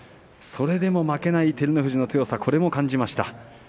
それでも負けない照ノ富士の強さも感じました。